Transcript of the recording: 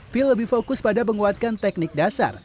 phil lebih fokus pada menguatkan teknik dasar